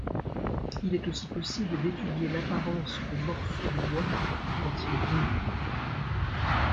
Il est aussi possible d'étudier l'apparence de morceaux de bois quand ils brûlent.